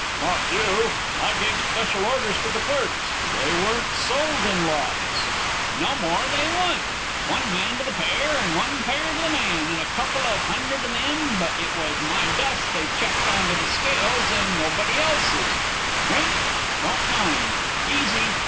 "Not you. I gave special orders to the clerks. They weren't sold in lots." "No more they wa'n't. One man to the pair and one pair to the man, and a couple of hundred of them; but it was my dust they chucked into the scales an nobody else's. Drink? Don't mind. Easy!